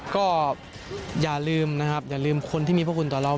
ก็อย่าลืมนะครับอย่าลืมคนที่มีพระคุณต่อเรา